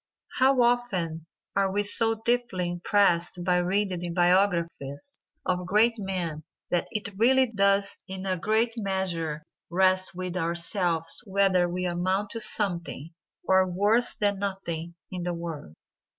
How often are we so deeply impressed by reading the biographies of great men that it really does in a great measure rest with ourselves whether we amount to something, or worse than nothing, in the world.